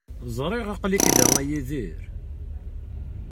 Ẓriɣ aql-ik da, a Yidir.